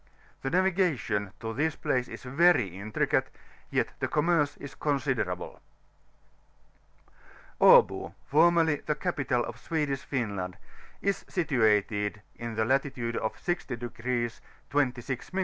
The naviga tion to this place is very intricate, yet the commerce is considerable. ABOy formerly the capital of Swedish Finland, is situated in latitude 60° 26^ 58^^ N.